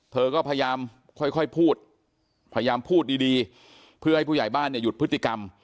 เธอก็พยายามค่อยพูดพยายามพูดดีเพื่อให้ผู้ใหญ่บ้านเนี่ยหยุดพฤติกรรม